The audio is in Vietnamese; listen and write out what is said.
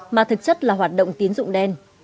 mà thực chất là hoạt động tín dụng đen